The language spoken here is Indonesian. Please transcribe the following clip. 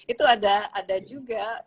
itu ada juga